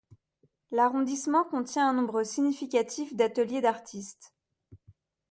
L’arrondissement contient un nombre significatif d’ateliers d’artistes.